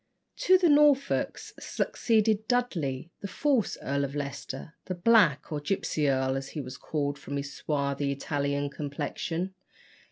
To the Norfolks succeeded Dudley, the false Earl of Leicester, the black or gipsy earl, as he was called from his swarthy Italian complexion.